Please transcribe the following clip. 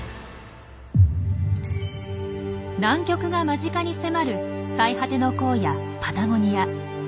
南極が間近に迫る最果ての荒野パタゴニア。